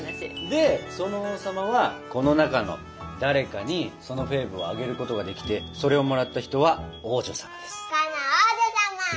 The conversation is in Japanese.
で王様はこの中の誰かにそのフェーブをあげることができてそれをもらった人は王女様です！カナ王女様！